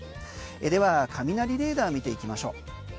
では雷レーダーを見ていきましょう。